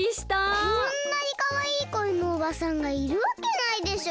こんなにかわいいこえのおばさんがいるわけないでしょ。